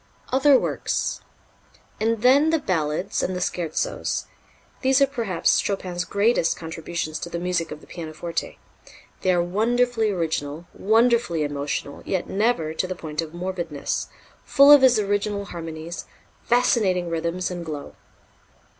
Other Works. And then the Ballades and the Scherzos. These are perhaps Chopin's greatest contributions to the music of the pianoforte. They are wonderfully original, wonderfully emotional, yet never to the point of morbidness, full of his original harmonies, fascinating rhythms and glow.